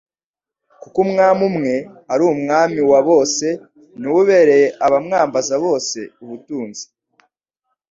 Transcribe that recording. kuko Umwami umwe ari Umwami wa bose ni we ubereye abamwambaza bose ubutunzi.